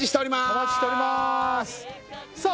お待ちしておりますさあ